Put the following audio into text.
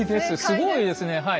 すごいですね。